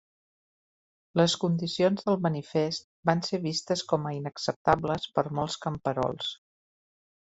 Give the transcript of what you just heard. Les condicions del manifest van ser vistes com a inacceptables per molts camperols.